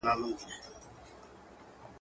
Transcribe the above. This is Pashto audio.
یادونه دي پر سترګو مېلمانه سي رخصتیږي!